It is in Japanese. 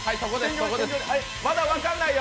まだ分かんないよ！